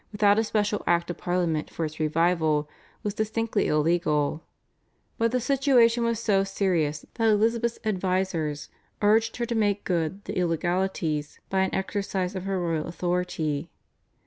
without a special Act of Parliament for its revival was distinctly illegal; but the situation was so serious that Elizabeth's advisers urged her to make good the illegalities by an exercise of her royal authority.